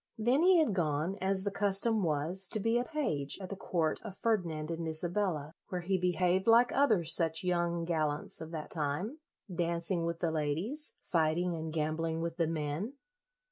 Then he had gone, as the custom was, to be a page at the court of Ferdinand and Isabella, where he behaved like other such young gallants of that time, dancing with the ladies, fighting and gambling with the men.